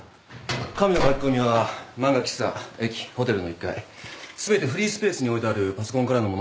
神の書き込みは漫画喫茶駅ホテルの１階全てフリースペースに置いてあるパソコンからのものでした。